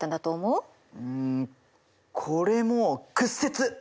うんこれも屈折！